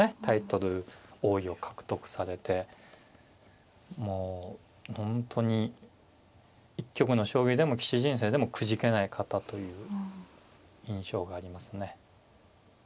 タイトル王位を獲得されてもう本当に一局の将棋でも棋士人生でもくじけない方という印象がありますね。